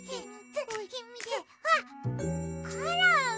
あっコロン。